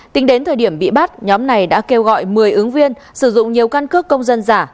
tính đến thời điểm bị bắt nhóm này đã kêu gọi một mươi ứng viên sử dụng nhiều căn cước công dân giả